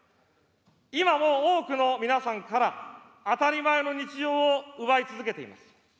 今も多くの皆さんから、当たり前の日常を奪い続けています。